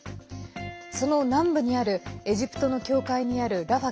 その南部にあるエジプトの境界にあるラファ